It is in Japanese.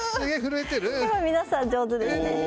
皆さん上手ですね。